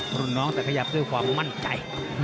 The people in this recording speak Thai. รุ่นน้องแต่ขยับด้วยความมั่นใจ